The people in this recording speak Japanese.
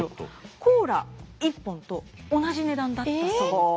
コーラ１本と同じ値段だったそうで。